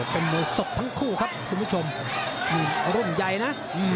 เป็นมวยสดทั้งคู่ครับคุณผู้ชมรุ่นใหญ่นะ